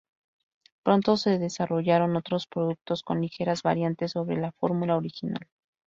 Pronto se desarrollaron otros productos con ligeras variantes sobre la fórmula original.